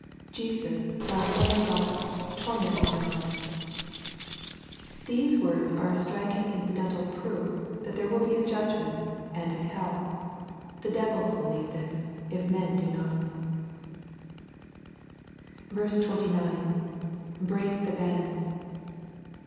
UiestiSy ihou Son of Ood, torment me not,] These words are a stiidng incidental proof that there will be a judgment^ and a helL The devils believe this, if men do not 29. — [BraJce the hands.